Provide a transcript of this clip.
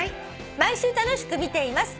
「毎週楽しく見ています」